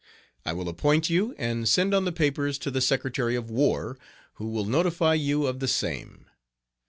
I will appoint you, and send on the papers to the Secretary of War, who will notify you of the same.